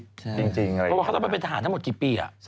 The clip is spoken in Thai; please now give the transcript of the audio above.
เพราะว่าเขาต้องไปเป็นทหารทั้งหมดกี่ปี